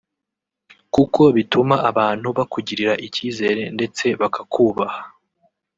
kuko bituma abantu bakugirira icyizere ndetse bakakubaha